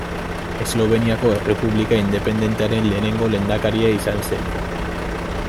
Esloveniako Errepublika independentearen lehenengo lehendakaria izan zen.